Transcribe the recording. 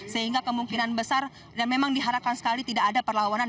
sehingga kemungkinan besar dan memang diharapkan sekali tidak ada perlawanan